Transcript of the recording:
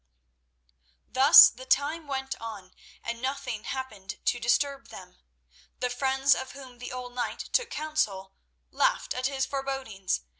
Thus the time went on, and nothing happened to disturb them. The friends of whom the old knight took counsel laughed at his forebodings.